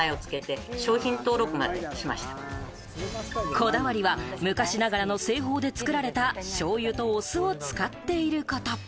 こだわりは昔ながらの製法で作られた、しょうゆとお酢を使っていること。